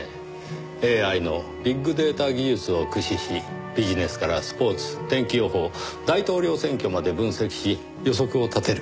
ＡＩのビッグデータ技術を駆使しビジネスからスポーツ天気予報大統領選挙まで分析し予測を立てる。